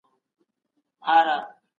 خپل کار په پوره صداقت سره پای ته ورسوئ.